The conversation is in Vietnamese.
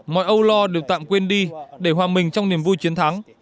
mọi âu lo được tạm quên đi để hòa mình trong niềm vui chiến thắng